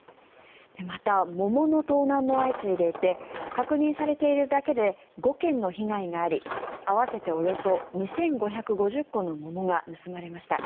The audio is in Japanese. また、桃の盗難も相次いでいて確認されているだけで５件の被害があり合わせておよそ２５５０個の桃が盗まれました。